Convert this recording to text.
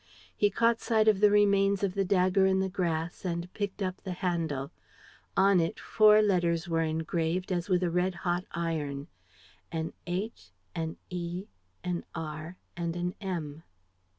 He caught sight of the remains of the dagger in the grass and picked up the handle. On it four letters were engraved as with a red hot iron: an H, an E, an R and an M.